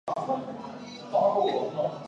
大学时代所属落语研究会。